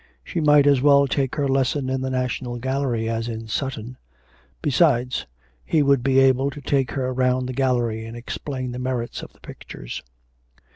She might as well take her lesson in the National Gallery as in Sutton. Besides, he would be able to take her round the gallery and explain the merits of the pictures.